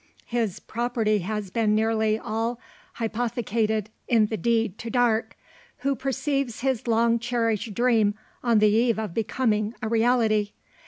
His property has been nearly all hypothecated in the deed to Darke; who perceives his long cherished dream on the eve of becoming a reality.